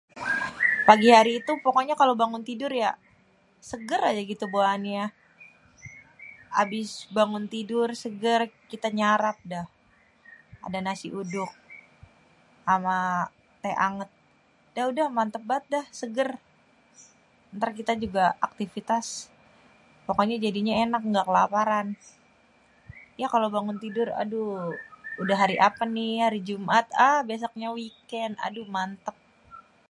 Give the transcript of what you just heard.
Pagi hari itu pokoknya kalo bangun tidur yak, seger aja gitu bawaanya. Abis bangun tidur, seger, kita nyarap, dah. Ada nasi uduk ama teh anget. Dah udah mantep banget dah, seger. Ntar kita juga aktivitas pokoknya jadinya enak nggak kelaparan. Ya kalo bangun tidur, aduh udah hari apa nih hari Jumat, ah besoknya weekend, aduh mantep.